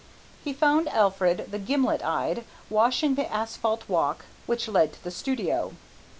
He found Alfred the gimlet eyed washing the asphalt walk which led to the studio.